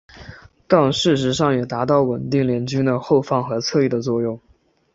但事实上也达到稳定联军的后方和侧翼的作用。